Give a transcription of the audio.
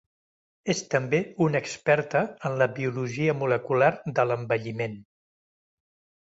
És també una experta en la biologia molecular de l'envelliment.